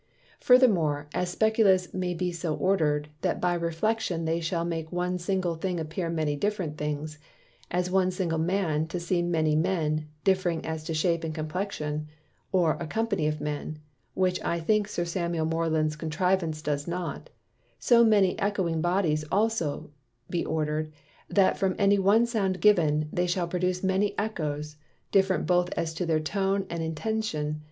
Furthermore, as Specula's may be so order'd, that by Reflection they shall make one single thing appear many different things; as one single Man to seem many Men, differing as to Shape and Complexion (or a company of Men) which I think Sir Samuel Moreland's Contrivance does not: So may Ecchoing Bodies also be order'd, that from any one Sound given, they shall produce many Ecchoes, different both as to their Tone and Intension.